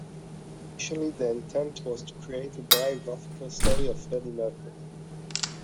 Initially, the intent was to create a biographical story of Freddie Mercury.